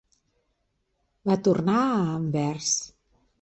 Va tornar a Anvers.